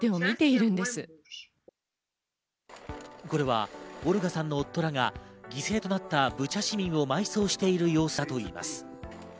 これはオルガさんの夫らが犠牲となったブチャ市民を埋葬している様子だといいます。